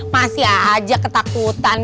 masih aja ketakutan